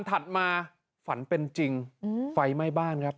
ถัดมาฝันเป็นจริงไฟไหม้บ้านครับ